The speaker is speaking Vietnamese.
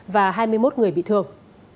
và hai mươi một người bị thương